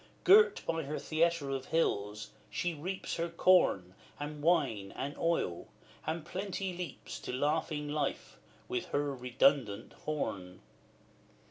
Girt by her theatre of hills, she reaps Her corn, and wine, and oil, and Plenty leaps To laughing life, with her redundant horn.